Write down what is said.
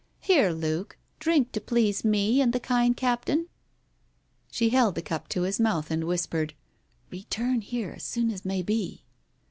Here, Luke, drink to please me and the kind captain." She held the cup to his mouth and whispered, "Return here as soon as may be."